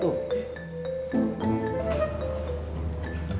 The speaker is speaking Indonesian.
tahu gak tuh